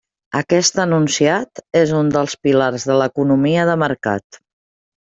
Aquest enunciat és un dels pilars de l'economia de mercat.